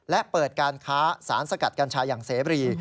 และเปิดการค้าสารสกัดกัญชาอย่างเสบรี